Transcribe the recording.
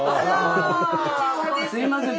すいません。